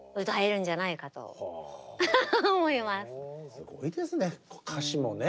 すごいですね歌詞もね。